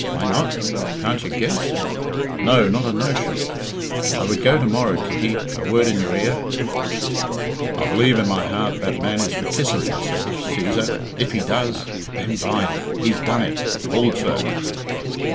Why not? Can't you guess? No? Not a notion? I would go to morrow Kitty, a word in your ear " "I believe in my heart that man is for kissing her," said Cæsar. "If he does, then by he's done it! Hould, sir."